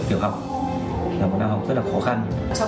thì các bài cao lực đa học hôm nay